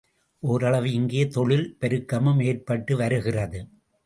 ஓரளவு இங்கே தொழில் பெருக்கமும் ஏற்பட்டு வருகிறது.